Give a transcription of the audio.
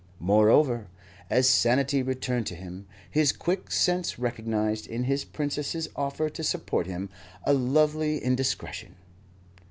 Moreover, as sanity returned to him, his quick sense recognized in his Princess's offer to support him, a lovely indiscretion.